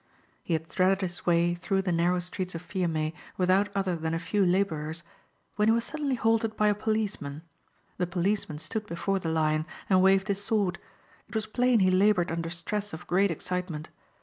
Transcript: He had threaded his way through the narrow streets of Fiume without other than a few laborers when he was suddenly halted by a policeman. The policeman stood before the Lion and waved his sword. It was plain he labored under stress of great excitement.